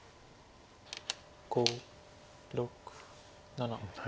５６７。